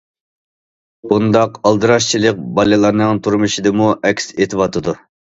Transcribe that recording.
بۇنداق ئالدىراشچىلىق بالىلارنىڭ تۇرمۇشىدىمۇ ئەكس ئېتىۋاتىدۇ.